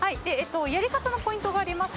やり方のポイントがありまして。